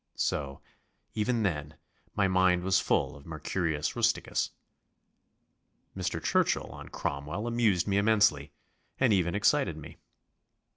So, even then, my mind was full of Mercurius Rusticus. Mr. Churchill on Cromwell amused me immensely and even excited me.